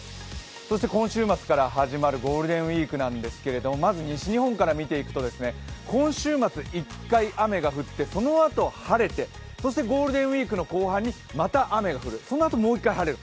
そして今週末から始まるゴールデンウイークなんですけどまず西日本から見ていくと、今週末１回雨が降ってそのあと晴れて、そしてゴールデンウイークの後半にまた雨が降る、そのあともう一回晴れる。